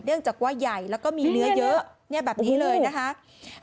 จากว่าใหญ่แล้วก็มีเนื้อเยอะแบบนี้เลยนะคะ